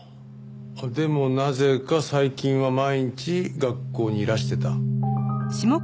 でもなぜか最近は毎日学校にいらしてた？